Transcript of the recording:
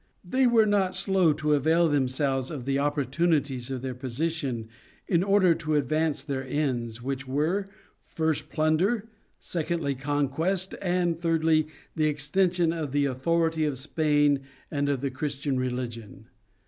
They were not slow to avail themselves of the opportunities of their position in order to advance their ends which were, first plunder, secondly conquest, and, thirdly the extension of the authority of Spain and of the Christian religion.